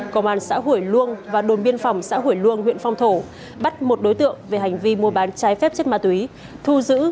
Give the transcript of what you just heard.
công an xã hủy luông và đồn biên phòng xã hủy luông huyện phong thổ bắt một đối tượng về hành vi mua bán trái phép chất ma túy thu giữ